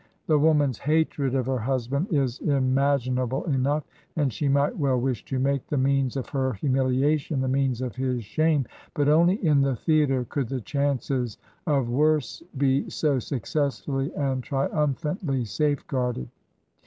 The woman's hatred of her husband is im aginable enough, and she might well wish to make the means of her humiliation the means of his shame; but only in the theatre could the chances of worse be so successfully and triumphantly safeguarded.